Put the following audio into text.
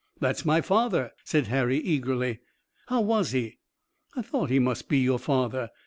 "That's my father!" said Harry eagerly. "How was he?" "I thought he must be your father.